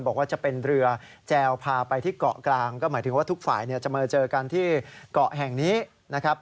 บอกว่าจะเป็นเรือแจวพาไปที่เกาะกลางก็หมายถึงว่าทุกฝ่ายจะมาเจอกันที่เกาะแห่งนี้นะครับ